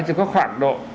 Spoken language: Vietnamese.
chỉ có khoảng độ